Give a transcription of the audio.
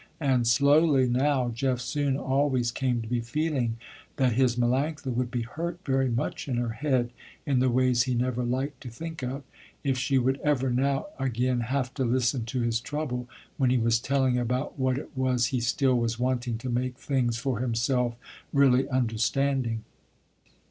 And slowly now, Jeff soon always came to be feeling that his Melanctha would be hurt very much in her head in the ways he never liked to think of, if she would ever now again have to listen to his trouble, when he was telling about what it was he still was wanting to make things for himself really understanding.